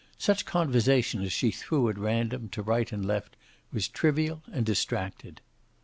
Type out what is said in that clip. Such conversation as she threw at random, to right and left, was trivial and distracted.